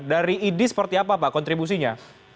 dari idi seperti apa pak kontribusinya